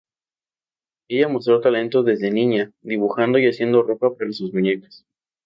Ella mostró talento desde niña dibujando y haciendo ropa para sus muñecas.